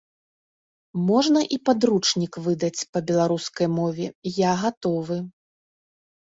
Можна і падручнік выдаць па беларускай мове, я гатовы.